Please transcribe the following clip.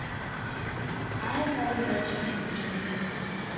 I am not a match for you, gentlemen.